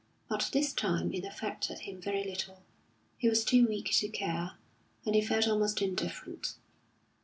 But this time it affected him very little; he was too weak to care, and he felt almost indifferent.